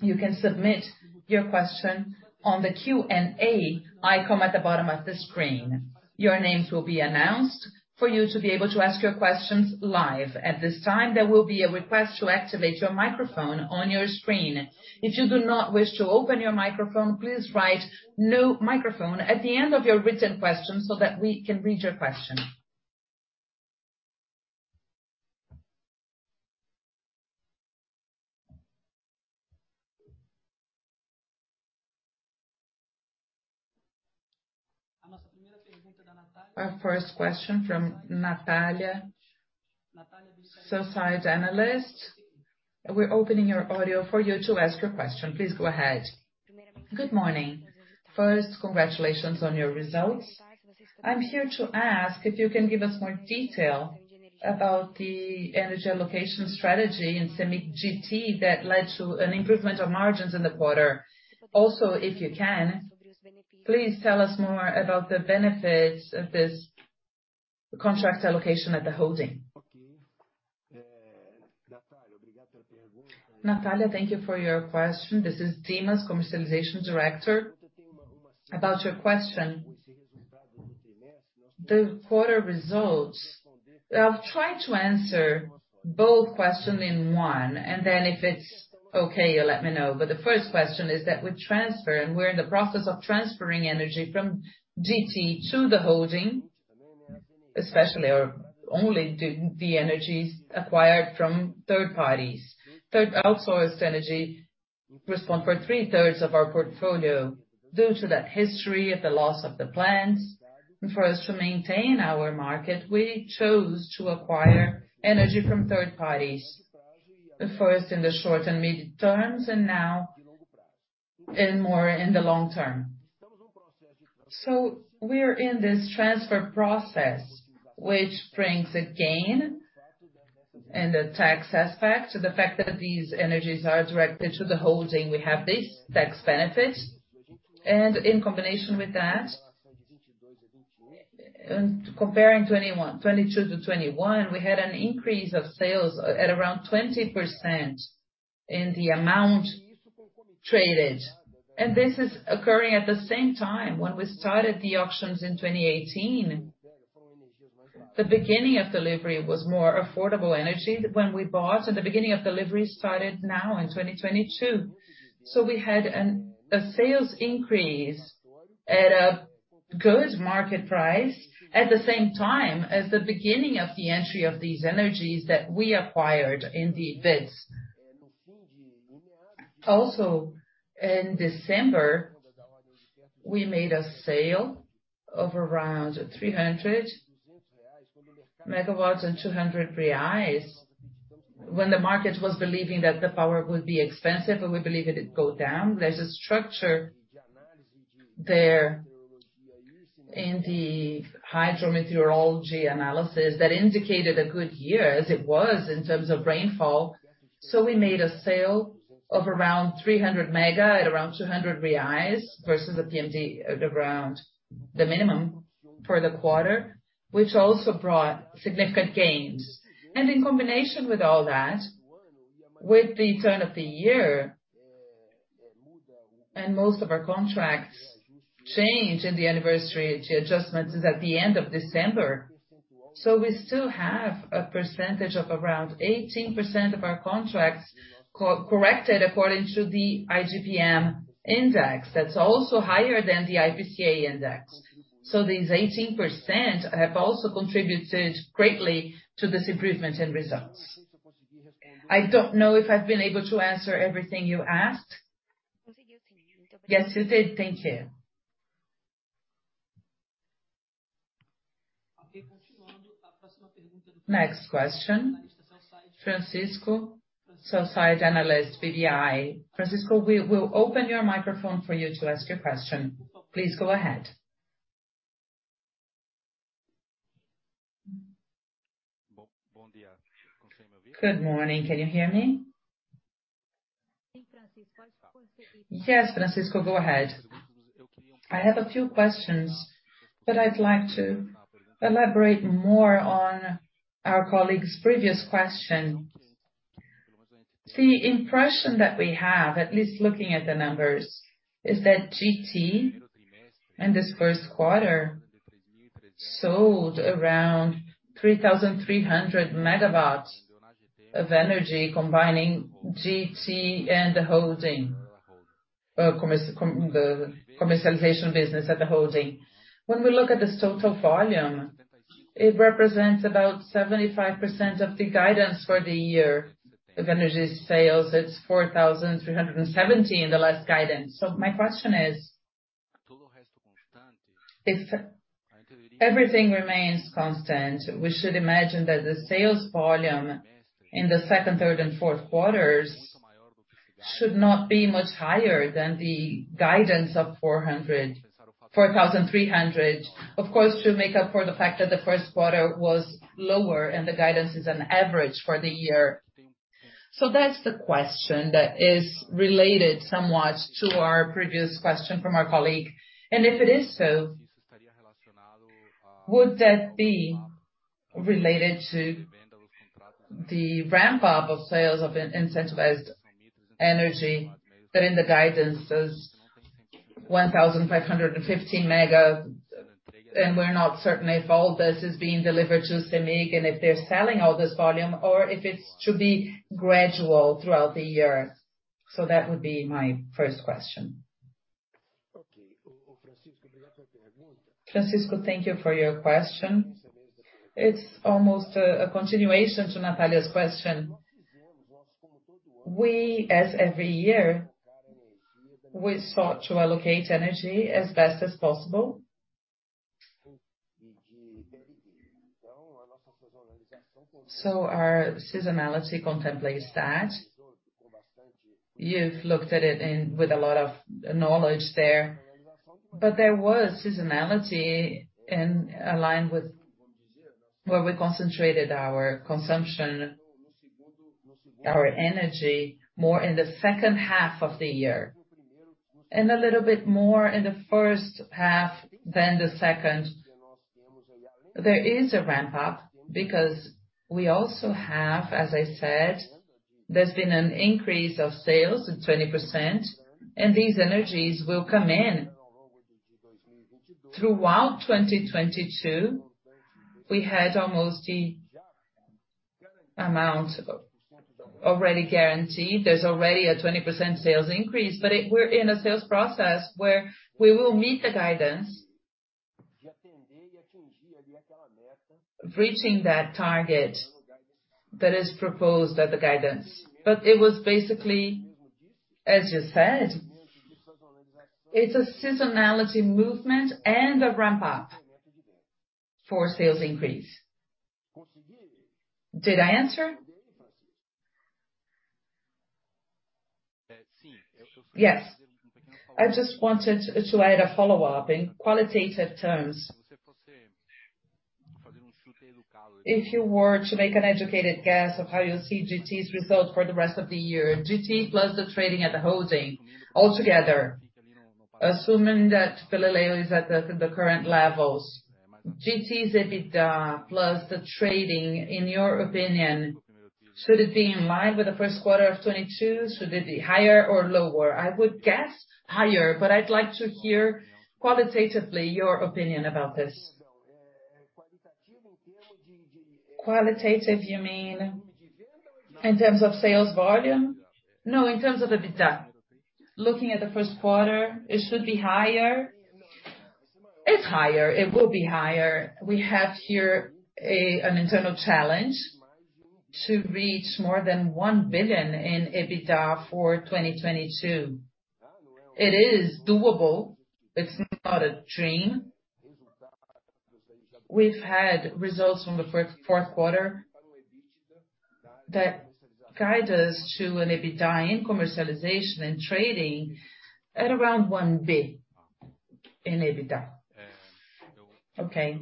you can submit your question on the Q&A icon at the bottom of the screen. Your names will be announced for you to be able to ask your questions live. At this time, there will be a request to activate your microphone on your screen. If you do not wish to open your microphone, please write "no microphone" at the end of your written question so that we can read your question. Our first question from Natália, Société Générale, Analyst. We're opening your audio for you to ask your question. Please go ahead. Good morning. First, congratulations on your results. I'm here to ask if you can give us more detail about the energy allocation strategy in CEMIG GT that led to an improvement of margins in the quarter. Also, if you can, please tell us more about the benefits of this contract allocation at the holding. Natália, thank you for your question. This is Dimas, Commercialization Director. About your question, the quarter results. I'll try to answer both question in one, and then if it's okay, you let me know. The first question is that we transfer, and we're in the process of transferring energy from GT to the holding, especially or only the energies acquired from third parties. Third-party outsourced energy represents 2/3s of our portfolio. Due to that history of the loss of the plants, and for us to maintain our market, we chose to acquire energy from third parties. The first in the short and mid terms, and now in more in the long term. We're in this transfer process, which brings a gain. The tax aspect, the fact that these energies are directed to the holding, we have this tax benefit. In combination with that, and comparing 2022-2021, we had an increase of sales at around 20% in the amount traded. This is occurring at the same time when we started the auctions in 2018. The beginning of delivery was more affordable energy when we bought, and the beginning of delivery started now in 2022. We had a sales increase at a good market price at the same time as the beginning of the entry of these energies that we acquired in the bids. In December, we made a sale of around 300 MW at 200 reais when the market was believing that the power would be expensive, and we believe it would go down. There's a structure there in the hydro-meteorology analysis that indicated a good year as it was in terms of rainfall. We made a sale of around 300 MW at around 200 reais vs a PLD at around the minimum for the quarter, which also brought significant gains. In combination with all that, with the turn of the year, and most of our contracts change in the anniversary, the adjustments is at the end of December. We still have a % of around 18% of our contracts corrected according to the IGP-M index. That's also higher than the IPCA index. These 18% have also contributed greatly to this improvement in results. I don't know if I've been able to answer everything you asked. Yes, you did. Thank you. Next question, Francisco, Sell-side Analyst, BTG. Francisco, we will open your microphone for you to ask your question. Please go ahead. Good morning. Can you hear me? Yes, Francisco, go ahead. I have a few questions, but I'd like to elaborate more on our colleague's previous question. The impression that we have, at least looking at the numbers, is that GT in this first quarter sold around 3,300 MW of energy, combining GT and the holding, the Commercialization business at the holding. When we look at this total volume, it represents about 75% of the guidance for the year. With energy sales, it's 4,370 in the last guidance. My question is, if everything remains constant, we should imagine that the sales volume in the second, third and fourth quarters should not be much higher than the guidance of 4,300, of course, to make up for the fact that the first quarter was lower and the guidance is an average for the year. That's the question that is related somewhat to our previous question from our colleague. If it is so, would that be related to the ramp-up of sales of incentivized energy that in the guidance is 1,550 MW, and we're not certain if all this is being delivered to CEMIG and if they're selling all this volume or if it's to be gradual throughout the year. That would be my first question. Francisco, thank you for your question. It's almost a continuation to Natália's question. We, as every year, sought to allocate energy as best as possible. Our seasonality contemplates that. You've looked at it with a lot of knowledge there. There was seasonality in line with where we concentrated our consumption, our energy, more in the second half of the year, and a little bit more in the first half than the second. There is a ramp up because we also have, as I said, there's been an increase of sales of 20%, and these energies will come in. Throughout 2022, we had almost the amount already guaranteed. There's already a 20% sales increase, but we're in a sales process where we will meet the guidance, reaching that target that is proposed at the guidance. It was basically, as you said, it's a seasonality movement and a ramp up for sales increase. Did I answer? Yes. I just wanted to add a follow-up in qualitative terms. If you were to make an educated guess of how you see GT's results for the rest of the year, GT plus the trading and the wholesaling all together, assuming that PLD is at the current levels, GT's EBITDA plus the trading, in your opinion, should it be in line with the first quarter of 2022? Should it be higher or lower? I would guess higher, but I'd like to hear qualitatively your opinion about this. Qualitative, you mean in terms of sales volume? No, in terms of EBITDA. Looking at the first quarter, it should be higher. It's higher. It will be higher. We have here an internal challenge to reach more than 1 billion in EBITDA for 2022. It is doable. It's not a dream. We've had results from the fourth quarter that guide us to an EBITDA in Commercialization and Trading at around 1 billion in EBITDA. Okay.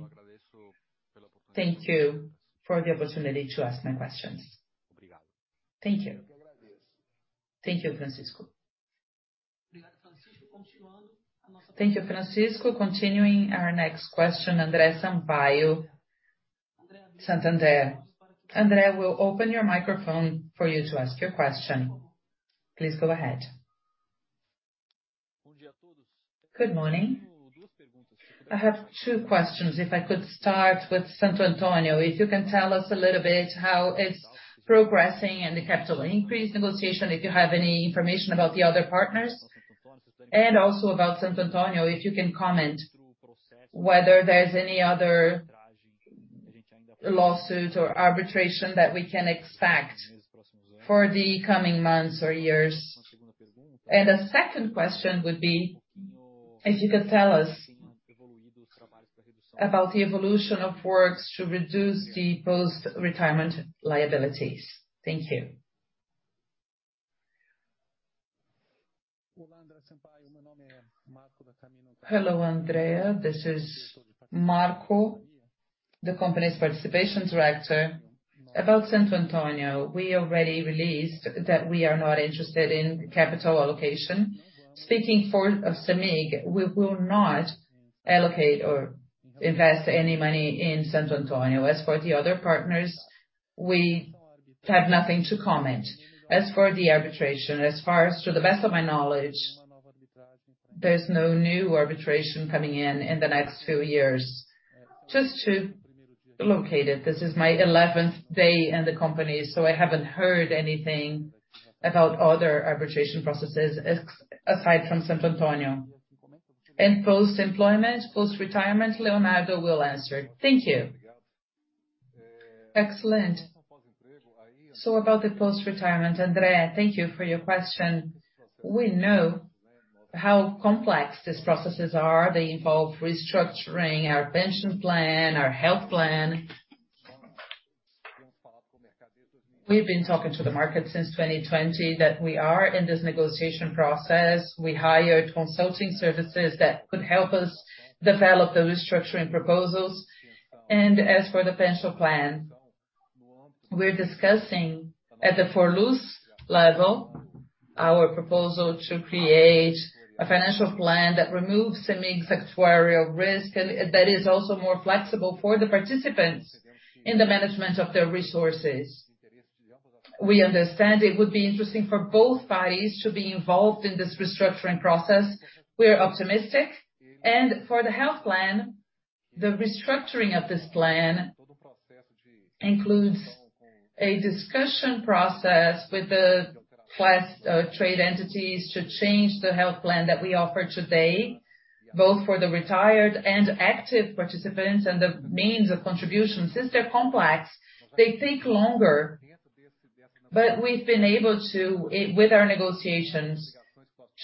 Thank you for the opportunity to ask my questions. Thank you. Thank you, Francisco. Continuing, our next question, Andre Sampaio, Santander. Andre, we'll open your microphone for you to ask your question. Please go ahead. Good morning. I have two questions. If I could start with Santo Antônio. If you can tell us a little bit how it's progressing and the capital increase negotiation, if you have any information about the other partners. Also about Santo Antônio, if you can comment whether there's any other lawsuit or arbitration that we can expect for the coming months or years. A second question would be if you could tell us about the evolution of works to reduce the post-retirement liabilities. Thank you. Hello, Andre. This is Marco, the company's generation director. About Santo Antônio, we already released that we are not interested in capital allocation. Speaking for CEMIG, we will not allocate or invest any money in Santo Antônio. As for the other partners, we have nothing to comment. As for the arbitration, to the best of my knowledge, there's no new arbitration coming in in the next few years. Just to locate it, this is my 11th day in the company, so I haven't heard anything about other arbitration processes aside from Santo Antônio. Post-employment, post-retirement, Leonardo will answer. Thank you. Excellent. about the post-retirement, Andre, thank you for your question. We know how complex these processes are. They involve restructuring our pension plan, our health plan. We've been talking to the market since 2020 that we are in this negotiation process. We hired consulting services that could help us develop the restructuring proposals. as for the pension plan, we're discussing at the board level our proposal to create a financial plan that removes CEMIG's actuarial risk and that is also more flexible for the participants in the management of their resources. We understand it would be interesting for both parties to be involved in this restructuring process. We're optimistic. For the health plan, the restructuring of this plan includes a discussion process with the class, trade entities to change the health plan that we offer today, both for the retired and active participants, and the means of contribution. Since they're complex, they take longer. We've been able to, with our negotiations,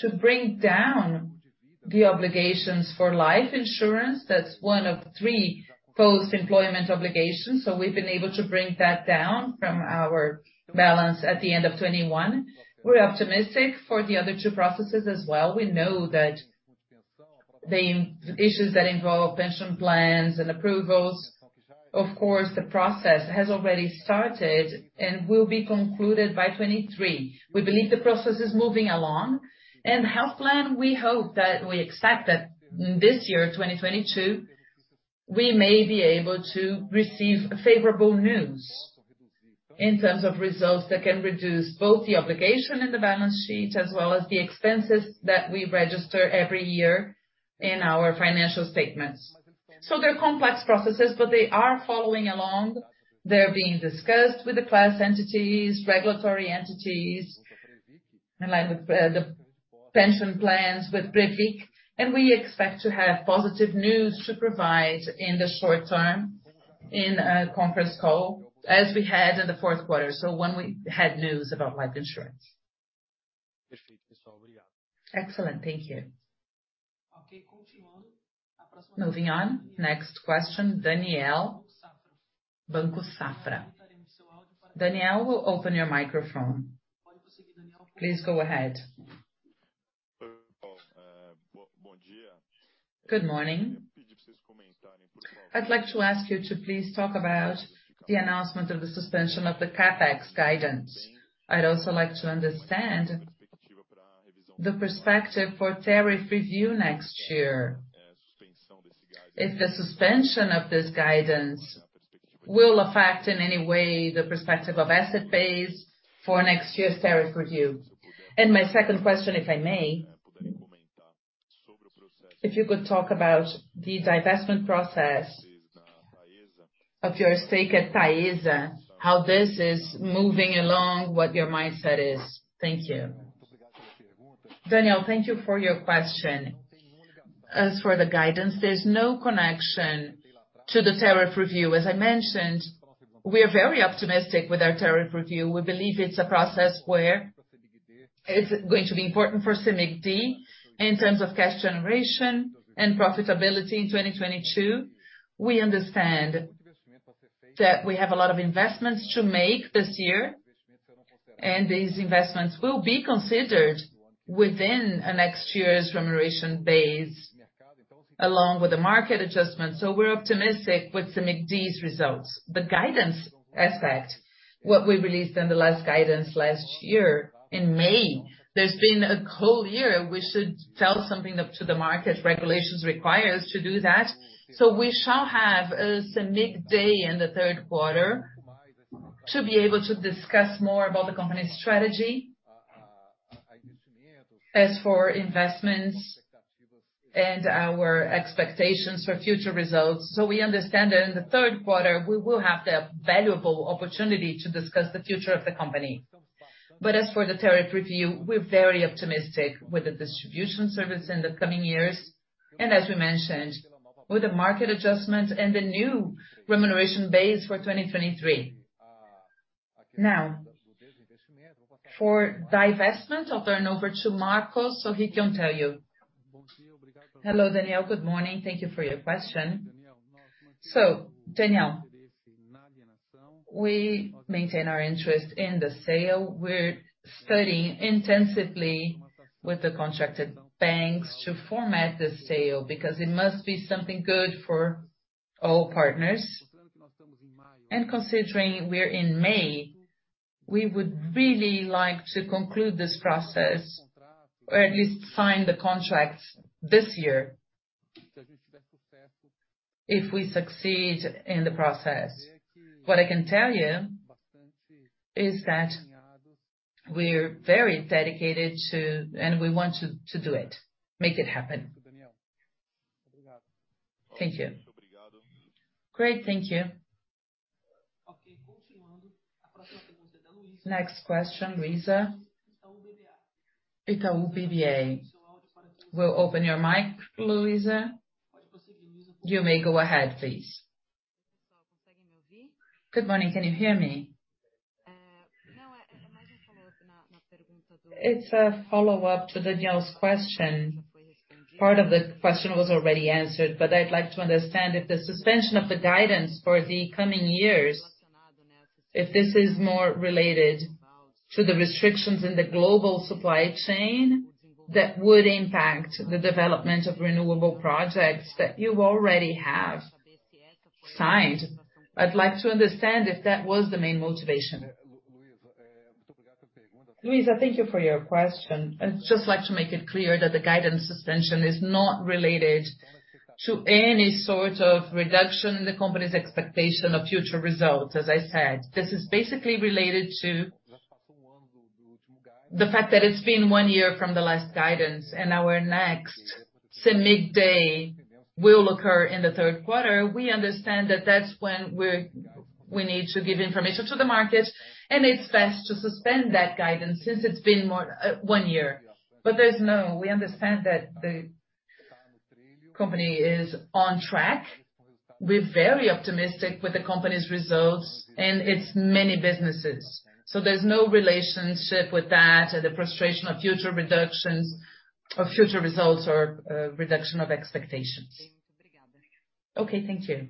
to bring down the obligations for life insurance. That's one of three post-employment obligations. We've been able to bring that down from our balance at the end of 2021. We're optimistic for the other two processes as well. We know that the issues that involve pension plans and approvals, of course, the process has already started and will be concluded by 2023. We believe the process is moving along. Health plan, we expect that this year, 2022, we may be able to receive favorable news in terms of results that can reduce both the obligation in the balance sheet as well as the expenses that we register every year in our financial statements. They're complex processes, but they are following along. They're being discussed with the class entities, regulatory entities, and like with the pension plans with Previc. We expect to have positive news to provide in the short term in a conference call, as we had in the fourth quarter. When we had news about life insurance. Excellent. Thank you. Okay, continuing. Moving on. Next question, Daniel, Banco Safra. Daniel, we'll open your microphone. Please go ahead. Bom dia. Good morning. I'd like to ask you to please talk about the announcement of the suspension of the CapEx guidance. I'd also like to understand the perspective for tariff review next year. If the suspension of this guidance will affect in any way the perspective of asset base for next year's tariff review. My second question, if I may, if you could talk about the divestment process of your stake at Taesa, how this is moving along, what your mindset is. Thank you. Daniel, thank you for your question. As for the guidance, there's no connection to the tariff review. As I mentioned, we are very optimistic with our tariff review. We believe it's a process where it's going to be important for CEMIG D in terms of cash generation and profitability in 2022. We understand that we have a lot of investments to make this year, and these investments will be considered within next year's remuneration base, along with the market adjustment. We're optimistic with CEMIG D's results. The guidance aspect, what we released in the last guidance last year in May, there's been a whole year we should update to the market. Regulations require us to do that. We shall have a CEMIG Day in the third quarter to be able to discuss more about the company's strategy as for investments and our expectations for future results. We understand that in the third quarter, we will have the valuable opportunity to discuss the future of the company. As for the tariff review, we're very optimistic with the distribution service in the coming years. As we mentioned, with the market adjustment and the new remuneration base for 2023. Now, for divestment, I'll turn over to Marco, so he can tell you. Hello, Daniel. Good morning. Thank you for your question. So Daniel, we maintain our interest in the sale. We're studying intensively with the contracted banks to format the sale because it must be something good for all partners. Considering we're in May, we would really like to conclude this process or at least sign the contract this year if we succeed in the process. What I can tell you is that we're very dedicated and we want to do it, make it happen. Thank you. Great. Thank you. Next question, Luiza, Itaú BBA. We'll open your mic, Luiza. You may go ahead, please. Good morning. Can you hear me? It's a follow-up to Daniel's question. Part of the question was already answered, but I'd like to understand if the suspension of the guidance for the coming years, if this is more related to the restrictions in the global supply chain that would impact the development of renewable projects that you already have signed. I'd like to understand if that was the main motivation. Luiza, thank you for your question. I'd just like to make it clear that the guidance suspension is not related to any sort of reduction in the company's expectation of future results. As I said, this is basically related to the fact that it's been one year from the last guidance, and our next CEMIG Day will occur in the third quarter. We understand that that's when we need to give information to the market, and it's best to suspend that guidance since it's been more, one year. We understand that the company is on track. We're very optimistic with the company's results and its many businesses. There's no relationship with that, the frustration of future results or reduction of expectations. Okay, thank you.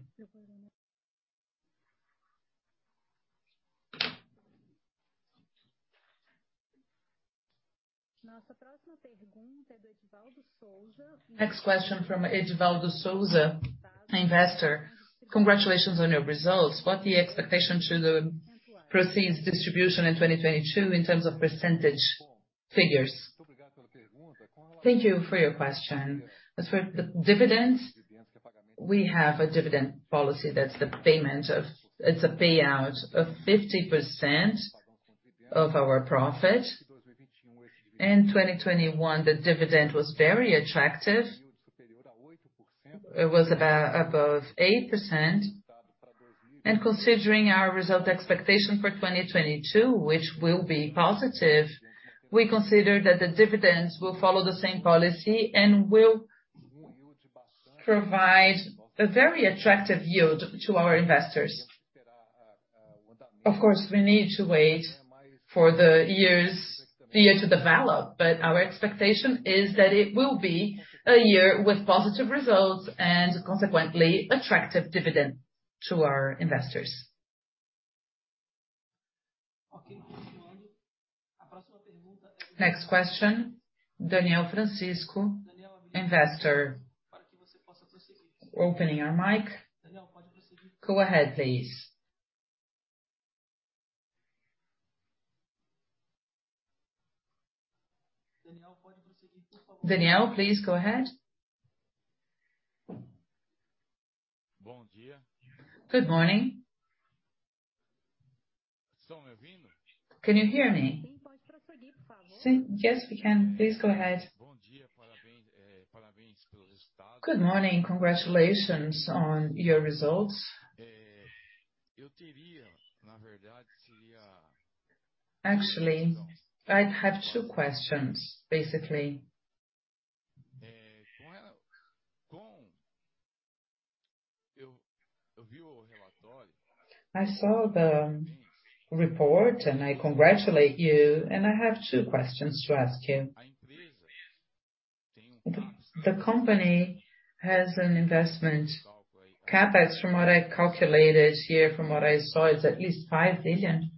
Next question from Edivaldo Souza, investor. Congratulations on your results. What's the expectation for the profits distribution in 2022 in terms of % figures? Thank you for your question. As for the dividends, we have a dividend policy that's a payout of 50% of our profit. In 2021, the dividend was very attractive. It was or above 8%. Considering our result expectation for 2022, which will be positive, we consider that the dividends will follow the same policy and will provide a very attractive yield to our investors. Of course, we need to wait for the year to develop, but our expectation is that it will be a year with positive results and consequently attractive dividend to our investors. Okay. Next question, Daniel Francisco, investor. Opening your mic. Go ahead, please. Daniel, please go ahead. Good morning. Good morning. Can you hear me? Yes, we can. Please go ahead. Good morning. Congratulations on your results. Actually, I have two questions, basically. I saw the report, and I congratulate you, and I have two questions to ask you. The company has an investment CapEx, from what I calculated here, from what I saw, is at least 5 billion.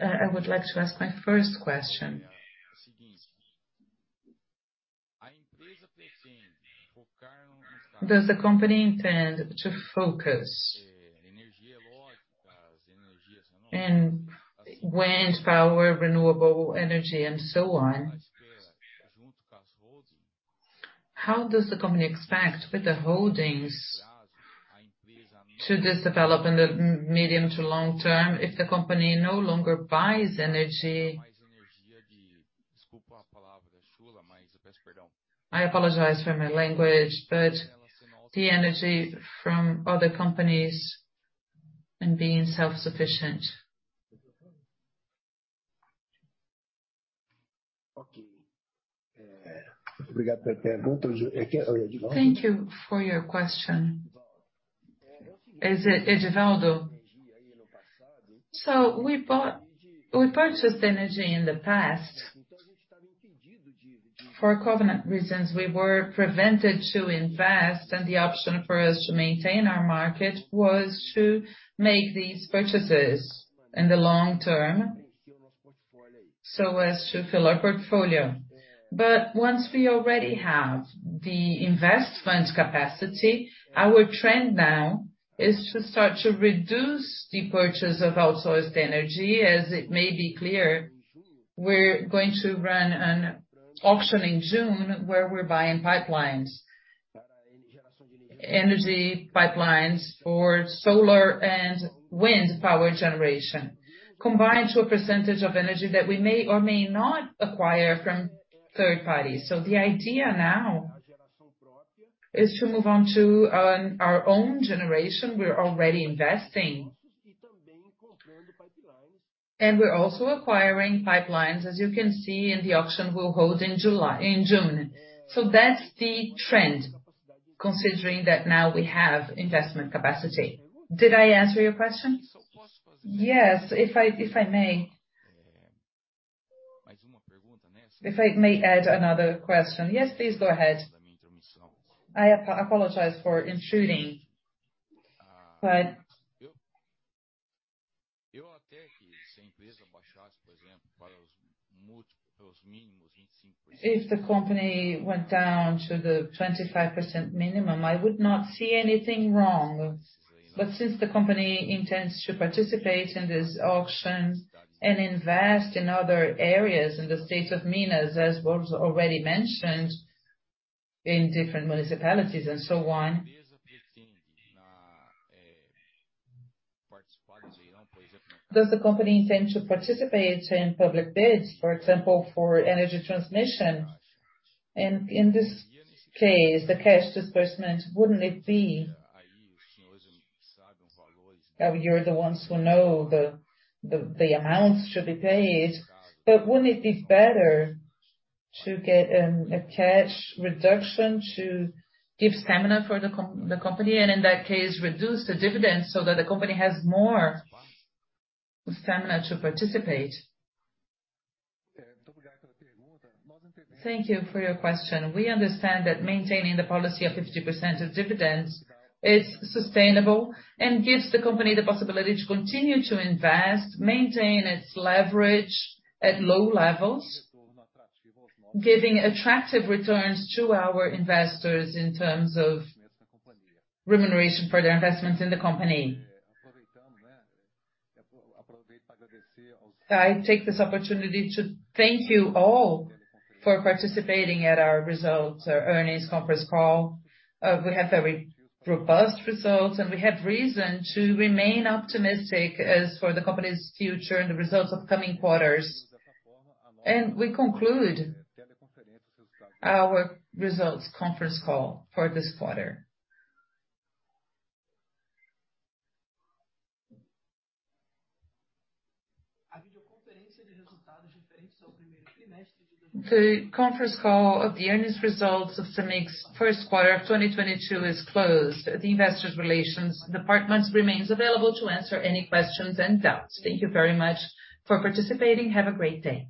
I would like to ask my first question. Does the company intend to focus in wind power, renewable energy, and so on? How does the company expect with the holdings to this development in the medium to long term if the company no longer buys energy? I apologize for my language, but the energy from other companies and being self-sufficient. Thank you for your question. Is it Edivaldo? We purchased energy in the past. For covenant reasons, we were prevented to invest, and the option for us to maintain our market was to make these purchases in the long term so as to fill our portfolio. Once we already have the investment capacity, our trend now is to start to reduce the purchase of outsourced energy. As it may be clear, we're going to run an auction in June where we're buying pipelines, energy pipelines for solar and wind power generation, combined to a % of energy that we may or may not acquire from third parties. The idea now is to move on to our own generation. We're already investing. We're also acquiring pipelines, as you can see, and the auction will hold in June. That's the trend, considering that now we have investment capacity. Did I answer your question? Yes. If I may add another question. Yes, please go ahead. ' I apologize for intruding, but if the company went down to the 25% minimum, I would not see anything wrong. Since the company intends to participate in this auction and invest in other areas in the state of Minas, as was already mentioned, in different municipalities and so on, does the company intend to participate in public bids, for example, for energy transmission? In this case, the cash disbursement, wouldn't it be. Now you're the ones who know the amounts to be paid, but wouldn't it be better to get a cash reduction to give stamina for the company, and in that case, reduce the dividends so that the company has more stamina to participate? Thank you for your question. We understand that maintaining the policy of 50% as dividends is sustainable and gives the company the possibility to continue to invest, maintain its leverage at low levels, giving attractive returns to our investors in terms of remuneration for their investments in the company. I take this opportunity to thank you all for participating at our results, our earnings conference call. We have very robust results, and we have reason to remain optimistic as for the company's future and the results of coming quarters. We conclude our results conference call for this quarter. The conference call of the earnings results of CEMIG's first quarter of 2022 is closed. The investor relations department remains available to answer any questions and doubts. Thank you very much for participating. Have a great day.